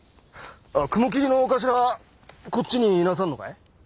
雲霧のお頭はこっちにいなさるのかい？